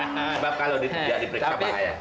sebab kalau diperiksa bahaya